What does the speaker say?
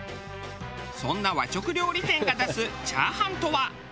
そんな和食料理店が出すチャーハンとは。